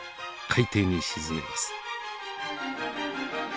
海底に沈めます。